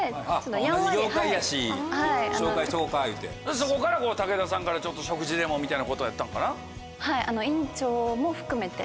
そこから武田さんからちょっと食事でもみたいなことやったんかな？